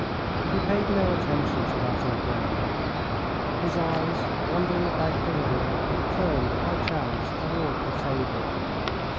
He paid no attention to that inquiry; his eyes, wandering about the room, turned by chance toward the table.